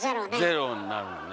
０になるもんね。